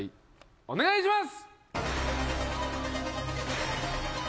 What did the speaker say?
お願いします。